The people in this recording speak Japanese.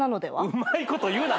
うまいこと言うな。